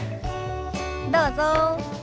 どうぞ。